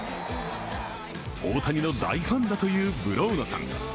大谷の大ファンだというブローナさん。